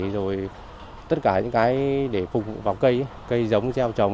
rồi tất cả những cái để phục vụ vào cây cây giống gieo trồng